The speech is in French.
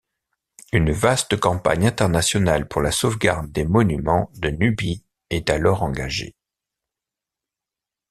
Une vaste campagne internationale pour la sauvegarde des monuments de Nubie est alors engagée.